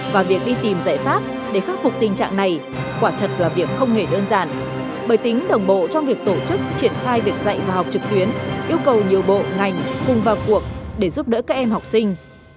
và việc đi tìm giải pháp để khắc phục tình trạng này quả thật là việc không hề đơn giản bởi tính đồng bộ trong việc tổ chức triển khai việc dạy và học trực tuyến yêu cầu nhiều bộ ngành cùng vào cuộc để giúp đỡ các em học sinh